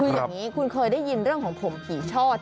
คืออย่างนี้คุณเคยได้ยินเรื่องของผมผีช่อ